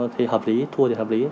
thì hợp lý thua thì hợp lý